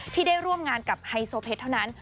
ที่ได้ร่วมงานกับไฮโซเพชรเท่านั้น